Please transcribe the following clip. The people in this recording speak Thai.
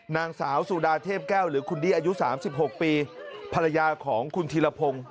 นางสาวสุดาเทพแก้วหรือคุณดี้อายุ๓๖ปีภรรยาของคุณธีรพงศ์